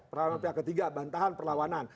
perlawanan pihak ketiga bantahan perlawanan